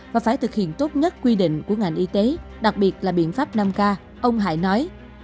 và phải thực hiện tốt nhất quy định của ngành y tế đặc biệt là biện pháp năm k ông hải nói